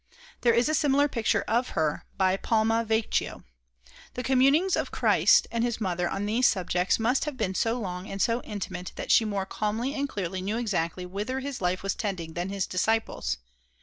There is a similar picture of her by Palma Vecchio. The communings of Christ and his mother on these subjects must have been so long and so intimate that she more calmly and clearly knew exactly whither his life was tending than did his disciples.